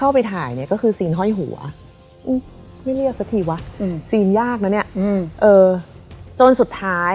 มก็คือซีนห้อยหัวไม่เรียกสักทีวะซีนยากนะเนี่ยจนสุดท้าย